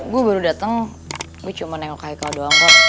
gue baru dateng gue cuma nengok nengok doang kok